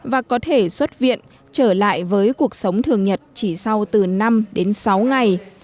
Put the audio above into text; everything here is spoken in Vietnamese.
và có thể xuất viện trở lại với cuộc sống thường nhật chỉ sau từ năm đến sáu ngày